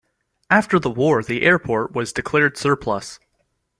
After the war the airport was declared surplus.